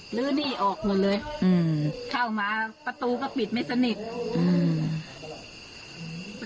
ลื้อหนี้ออกหมดเลยอืมเข้ามาประตูก็ปิดไม่สนิทอืม